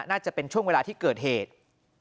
น่าจะเป็นช่วงเวลาที่เกิดเหตุ